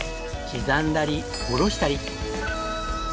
刻んだりおろしたり。